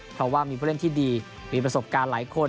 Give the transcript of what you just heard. เพราะว่ามีผู้เล่นที่ดีมีประสบการณ์หลายคน